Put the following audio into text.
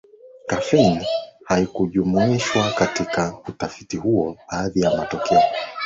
Kafeni haikujumuishwa katika utafiti huu Baadhi ya matokeo